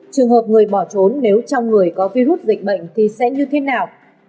trường hợp người bỏ trốn nếu trong người có virus dịch bệnh thì sẽ như thế nào